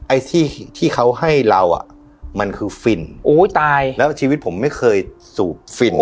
ไอ้ที่ที่เขาให้เราอ่ะมันคือฟินโอ้ยตายแล้วชีวิตผมไม่เคยสูบฟิน